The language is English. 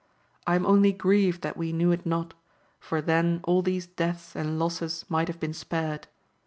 I am only grieved that we knew it not, for then all these deaths and losses might have been spared.